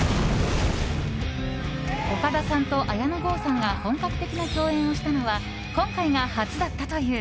岡田さんと綾野剛さんが本格的な共演をしたのは今回が初だったという。